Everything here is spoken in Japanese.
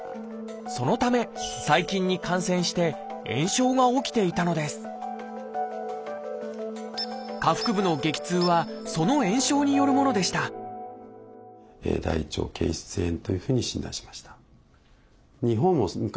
そのため細菌に感染して炎症が起きていたのです下腹部の激痛はその炎症によるものでした木村さんは入院。